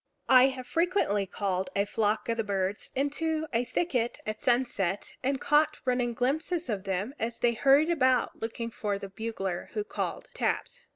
I have frequently called a flock of the birds into a thicket at sunset, and caught running glimpses of them as they hurried about, looking for the bugler who called taps.